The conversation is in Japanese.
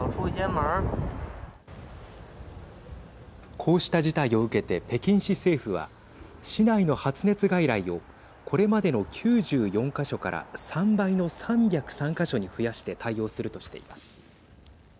こうした事態を受けて北京市政府は市内の発熱外来をこれまでの９４か所から３倍の３０３か所に増やして対応するとしています。